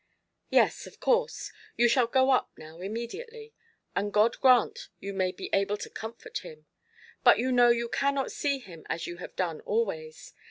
"Yes, of course. You shall go up now immediately; and God grant you may be able to comfort him! But you know you cannot see him as you have done always.